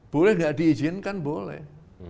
boleh gak diizinkan boleh